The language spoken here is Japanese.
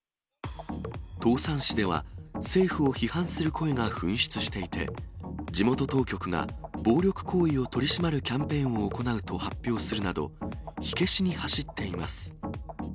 唐山市では、政府を批判する声が噴出していて、地元当局が暴力行為を取り締まるキャンペーンを行うと発表するなど、火消しに走っています。